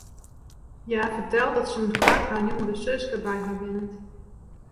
Hja fertelt dat sûnt koart har jongere suske by har wennet.